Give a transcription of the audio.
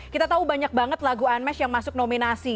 kita tahu banyak banget lagu unmesh yang masuk nominasi